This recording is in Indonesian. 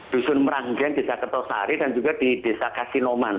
dusun meranggen desa ketosari dan juga di desa kasinoman